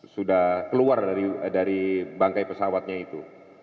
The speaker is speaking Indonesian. sudah keluar dari bangkai pesawatnya itu